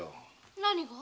何が？